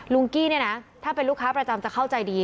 กี้เนี่ยนะถ้าเป็นลูกค้าประจำจะเข้าใจดี